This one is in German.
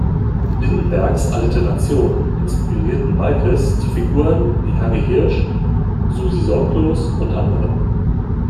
Lindenbergs Alliterationen inspirierten Waalkes zu Figuren wie Harry Hirsch, Susi Sorglos und anderen.